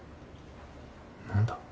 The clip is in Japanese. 何だ？